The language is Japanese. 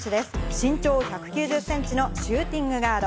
身長１９０センチのシューティングガード。